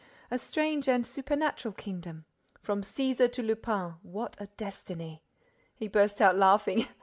A strange and supernatural kingdom! From Cæsar to Lupin: what a destiny!" He burst out laughing.